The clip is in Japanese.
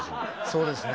そうですね。